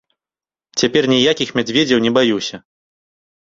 Цяпер ніякіх мядзведзяў не баюся.